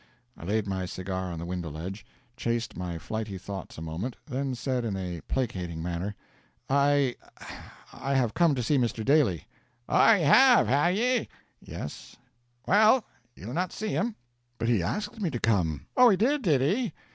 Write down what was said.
I laid my cigar on the window ledge; chased my flighty thoughts a moment, then said in a placating manner: "I I have come to see Mr. Daly." "Oh, ye have, have ye?" "Yes" "Well, ye'll not see him." "But he asked me to come." "Oh, he did, did he?"